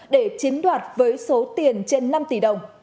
để chiếm đoạt với số tiền trên năm tỷ đồng